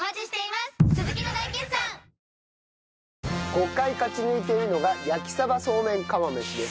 ５回勝ち抜いているのが焼鯖そうめん釜飯です。